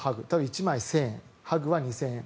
１枚１０００円ハグは２０００円。